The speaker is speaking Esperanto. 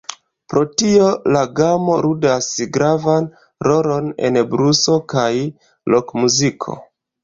Pro tio la gamo ludas gravan rolon en bluso kaj rokmuziko.